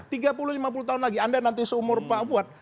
tiga puluh lima puluh tahun lagi anda nanti seumur pak fuad